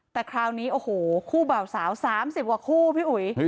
แต่คราวนี้โอ้โหคู่บ่าวสาว๓๐กว่าคู่พี่อุ๋ย